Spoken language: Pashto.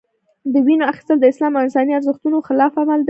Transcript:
د وینو اخیستل د اسلام او انساني ارزښتونو خلاف عمل دی.